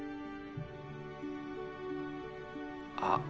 あっ